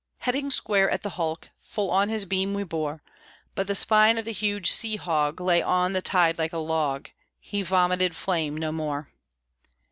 Heading square at the hulk, Full on his beam we bore; But the spine of the huge Sea Hog Lay on the tide like a log, He vomited flame no more.